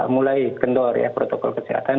mulai kendor ya protokol kesehatan